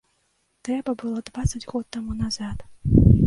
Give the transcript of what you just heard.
Трэба было дваццаць год таму назад!